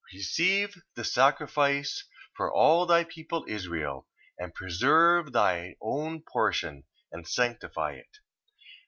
Receive the sacrifice for all thy people Israel, and preserve thy own portion, and sanctify it.